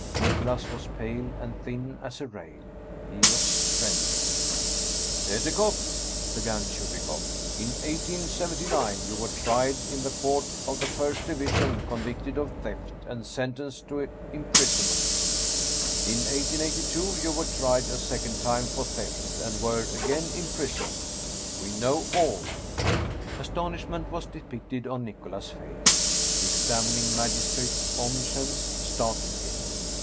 Nicholas was pale and thin as a rail. He was trembling. " Tetekhoff !" began Chubikoff. " In 1879 you were tried in the Court of the First Division, convicted of theft, and sentenced to imprisonment. In 1882 you were tried a second time for theft, and were again imprisoned. We know all " Astonishment was depicted on Nicholas's face. The examining magistrate's omniscience startled him.